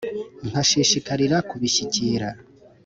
Nkashishikarira kubishyikira